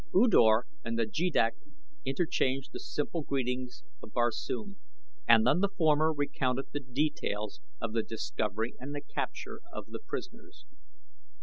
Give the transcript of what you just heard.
U Dor and the jeddak interchanged the simple greetings of Barsoom, and then the former recounted the details of the discovery and capture of the prisoners.